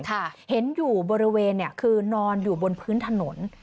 คือเห็นอยู่บริเวณนอนอยู่บนพื้นถนน